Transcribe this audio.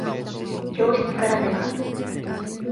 教室から出ます。